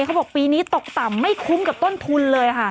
เขาบอกปีนี้ตกต่ำไม่คุ้มกับต้นทุนเลยค่ะ